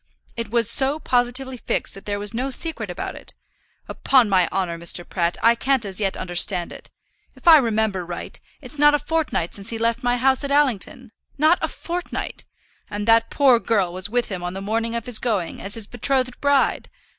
It was so positively fixed that there was no secret about it. Upon my honour, Mr. Pratt, I can't as yet understand it. If I remember right, it's not a fortnight since he left my house at Allington, not a fortnight. And that poor girl was with him on the morning of his going as his betrothed bride.